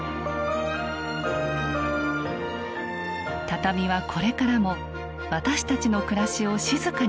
畳はこれからも私たちの暮らしを静かに支えてくれます。